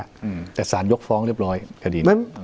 อืมแต่สารยกฟ้องเรียบร้อยคดีนั้น